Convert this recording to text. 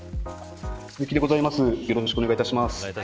よろしくお願いします。